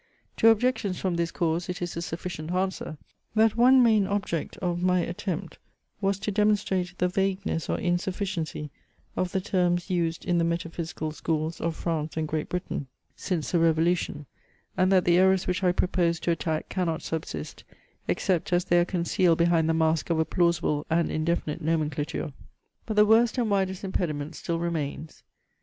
To objections from this cause, it is a sufficient answer, that one main object of my attempt was to demonstrate the vagueness or insufficiency of the terms used in the metaphysical schools of France and Great Britain since the revolution, and that the errors which I propose to attack cannot subsist, except as they are concealed behind the mask of a plausible and indefinite nomenclature. But the worst and widest impediment still remains.